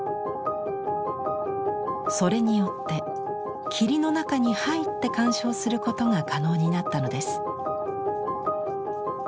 それによって霧の中に入って鑑賞することが可能になったのです。